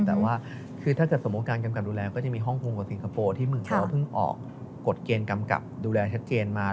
แต่ว่าคือถ้าเกิดสมมุติการกำกับดูแลก็จะมีฮ่องกงกับสิงคโปร์ที่เมืองเราเพิ่งออกกฎเกณฑ์กำกับดูแลชัดเจนมา